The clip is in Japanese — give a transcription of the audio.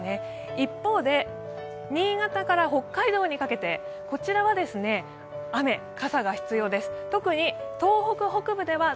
一方で新潟から北海道にかけては雨、傘が必要です。